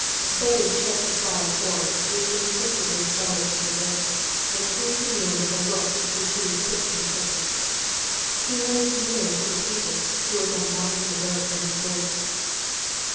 Betty checked the cry of horror which instinctively started to her lips, and turned to Neale with a look which he was quick to interpret. He moved nearer to the tinker, who was unwinding the rope from his waist.